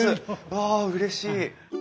わあうれしい。